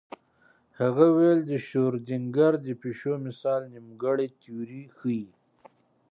هغه ویل د شرودینګر د پیشو مثال نیمګړې تیوري ښيي.